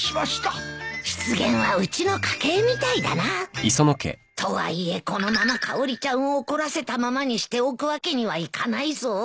失言はうちの家系みたいだなとはいえこのままかおりちゃんを怒らせたままにしておくわけにはいかないぞ。